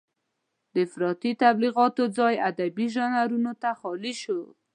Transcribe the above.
د افراطي تبليغاتو ځای ادبي ژانرونو ته خالي شو.